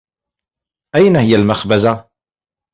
أين هي المخبزة؟